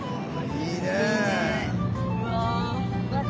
いいね。